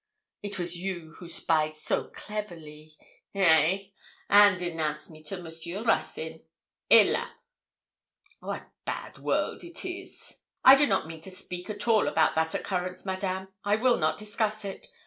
It was you who spied so cleverly eh! and denounce me to Monsieur Ruthyn? Helas! wat bad world it is!' 'I do not mean to speak at all about that occurrence, Madame; I will not discuss it.